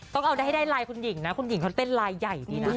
ต้องเอาได้ให้ได้ลายคุณหญิงนะคุณหญิงเขาเต้นลายใหญ่ดีนะ